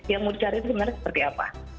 yang mau dicari itu sebenarnya seperti apa